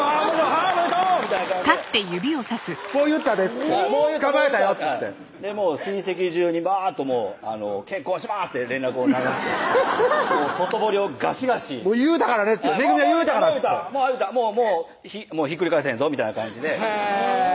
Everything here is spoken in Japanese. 「はいおめでとう！」みたいな感じで「もう言ったで」っつって「捕まえたよ」っつって親戚中にバーッと「結婚します！」って連絡を流して外堀をがしがし「言うたからね」って「もう言うたひっくり返せへんぞ」みたいな感じでへぇ！